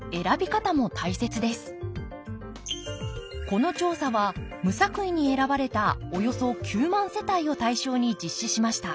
この調査は無作為に選ばれたおよそ９万世帯を対象に実施しました。